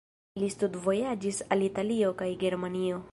Li studvojaĝis al Italio kaj Germanio.